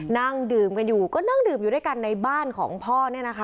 นั่งดื่มกันอยู่ก็นั่งดื่มอยู่ด้วยกันในบ้านของพ่อเนี่ยนะคะ